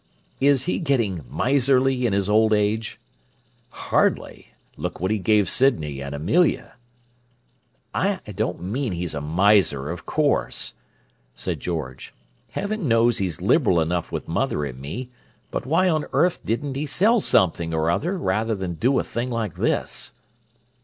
"Is he getting miserly in his old age?" "Hardly! Look what he gave Sydney and Amelia!" "I don't mean he's a miser, of course," said George. "Heaven knows he's liberal enough with mother and me; but why on earth didn't he sell something or other rather than do a thing like this?"